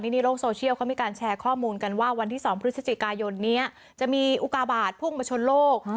นี่โลกโซเชียลเขามีการแชร์ข้อมูลกันว่าวันที่๒พฤศจิกายนนี้จะมีอุกาบาทพุ่งมาชนโลก